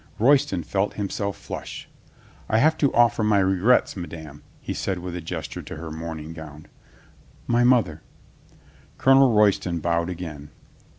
Royston felt himself flush. "I have to offer my regrets, madame," he said with a gesture to her mourning gown. "My mother." Colonel Royston bowed .again.